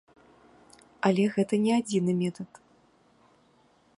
Але гэта не адзіны метад.